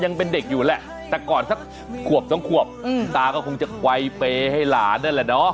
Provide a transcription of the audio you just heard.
ยังเป็นเด็กอยู่แหละแต่ก่อนสักขวบสองขวบตาก็คงจะไกลเปย์ให้หลานนั่นแหละเนาะ